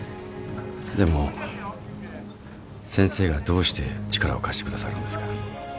でも先生がどうして力を貸してくださるんですか？